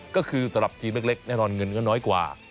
ก็คือสำหรับจีนเล็กแน่นอนเงินก็น้อยกว่า